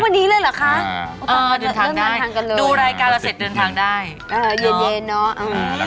ไปกับนี้เลยหรอคะ